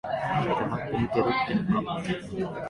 黙って見てろってのか。